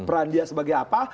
peran dia sebagai apa